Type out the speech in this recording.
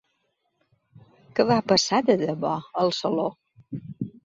Què va passar de debò al saló?